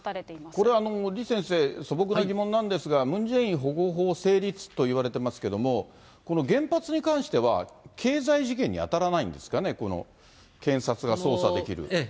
これは、李先生、素朴な疑問なんですが、ムン・ジェイン保護法成立といわれていますけれども、この原発に関しては、経済事件に当たらないんですかね、この検察が捜査できる。